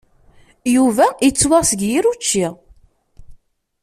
Yuba yettwaɣ seg yir učči.